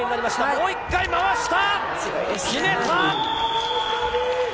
もう一回回した。